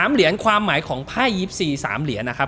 ๓เหรียญความหมายของไพ่๒๔๓เหรียญนะครับ